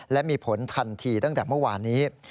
และมีผลทันทีตั้งแต่เมื่อวานนี้